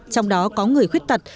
trong đó có người khuyết tật